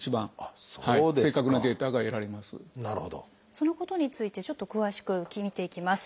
そのことについてちょっと詳しく見ていきます。